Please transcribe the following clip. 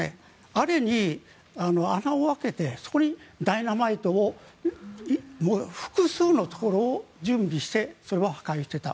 あれに穴を開けてそこにダイナマイトを複数のところを準備して破壊していった。